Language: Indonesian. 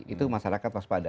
itu masyarakat waspada